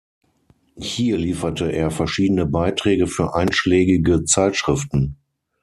Hier lieferte er verschiedene Beiträge für einschlägige Zeitschriften.